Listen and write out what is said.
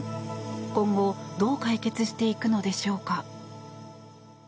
今後どう解決していくのでしょうか。